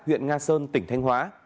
huyện nga sơn tỉnh thanh hóa